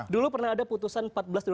dulu pernah ada putusan empat belas dua ribu